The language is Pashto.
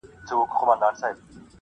ما لیدې د کړاکړ په تورو غرو کي-